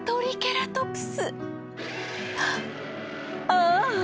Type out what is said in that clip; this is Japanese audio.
ああ！